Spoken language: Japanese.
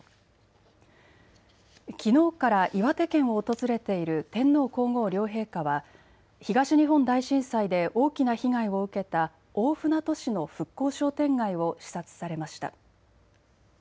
きのうから岩手県を訪れている天皇皇后両陛下は東日本大震災で大きな被害を受けた大船渡市の復興商店街を視察されました。